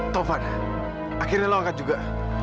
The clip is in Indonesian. taufan akhirnya lo angkat juga